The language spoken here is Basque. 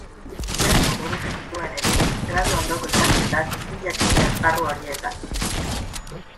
Bertan burutu zituen ere gradu-ondoko ikasketak bi jakintza esparru horietan.